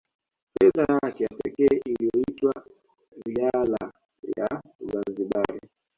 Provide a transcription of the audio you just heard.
Fedha yake ya pekee iliyoitwa Riala ya Zanzibar